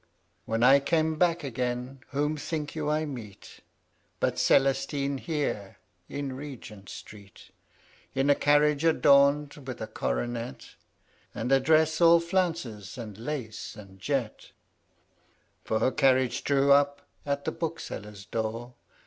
When I came back again, whom, think you, I meet But Celestine, here, in Regent Street? In a carriage adorned with a coronet, And a dress, all flounces, and lace, and jet: For her carriage drew up to the book seller's door.